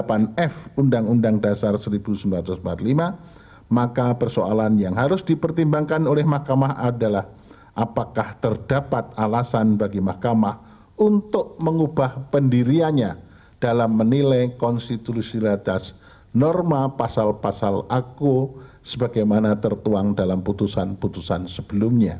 pasal dua puluh delapan f undang undang dasar seribu sembilan ratus empat puluh lima maka persoalan yang harus dipertimbangkan oleh mahkamah adalah apakah terdapat alasan bagi mahkamah untuk mengubah pendirianya dalam menilai konstitusi ratas norma pasal pasal aku sebagaimana tertuang dalam putusan putusan sebelumnya